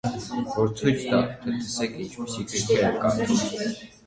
- Որ ցույց տա, թե՝ տեսեք ինչպիսի գրքեր եմ կարդում: